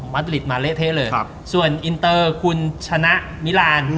มัดลิดมาเละเทะเลยส่วนอินเตอร์คุณชนะมิราน